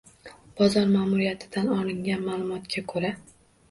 Bozor maʼmuriyatidan olingan maʼlumotga koʻra: